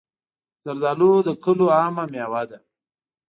زردالو د کلیو عامه مېوه ده.